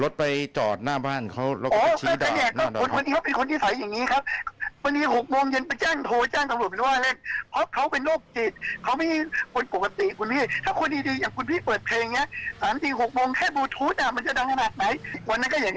วันนั้นที่ที่ผมชนพอแล้ว